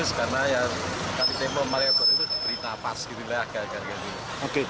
bagus karena ya ketika malioboro itu berita pas gitu lah